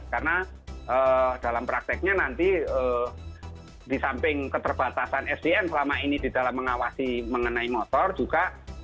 karena dalam prakteknya nanti di samping keterbatasan sdn selama ini di dalam mengawasi mengenai motor juga